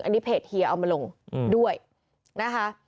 อันนี้เพจเฮียเอามาลงด้วยนะคะ